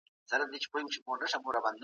سیال هیواد نوی تړون نه لاسلیک کوي.